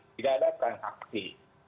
tidak ada transaksi